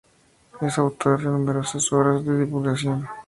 Es autor de numerosas obras de divulgación.